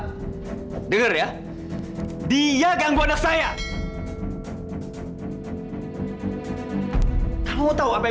kalau kamu gampang dengan laki laki pada saat itu